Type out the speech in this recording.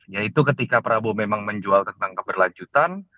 yaitu ketika prabowo memang menjual tentang keberlanjutan